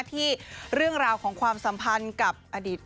ที่เรื่องราวของความสัมพันธ์กับอดีต